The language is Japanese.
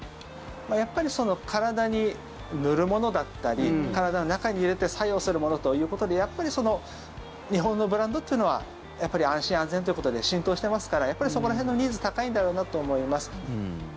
やっぱり体に塗るものだったり体の中に入れて作用するものということでやっぱり日本のブランドっていうのはやっぱり安心安全ということで浸透してますからやっぱり、そこら辺のニーズ高いんだろうなと思います。